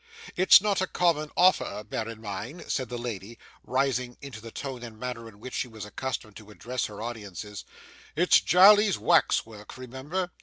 It's not a common offer, bear in mind,' said the lady, rising into the tone and manner in which she was accustomed to address her audiences; 'it's Jarley's wax work, remember.